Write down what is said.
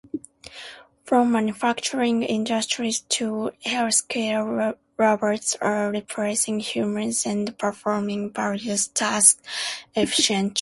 From manufacturing industries to healthcare, robots are replacing humans and performing various tasks efficiently.